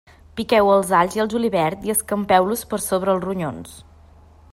Piqueu els alls i el julivert i escampeu-los per sobre els ronyons.